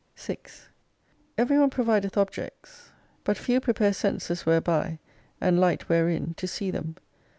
t l6i 6 Every one provideth objects, but few prepare senses whereby, and light wherein, to see them.